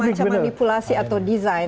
bukan ada semacam manipulasi atau desain